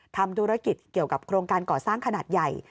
ทำธุรกิจเกี่ยวกับโครงการก่อสร้างขนาดใหญ่